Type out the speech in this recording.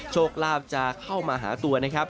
โชคลาภจะเข้ามาหาตัวนะครับ